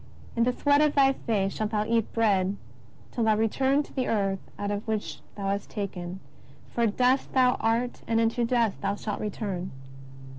In the sweat of thy face shalt thou eat bread till thou return to the earth out of which thou wast taken: for dust thou art and into dust thou shalt return."